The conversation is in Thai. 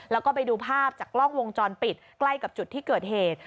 แล้วก็ไปดูภาพจากกล้องวงจรปิดใกล้กับจุดที่เกิดเหตุ